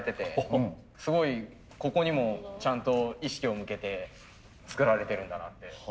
すごいここにもちゃんと意識を向けて作られてるんだなって。